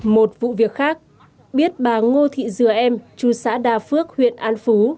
một vụ việc khác biết bà ngô thị dừa em chú xã đa phước huyện an phú